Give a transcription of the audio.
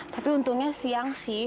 tapi untungnya siang sih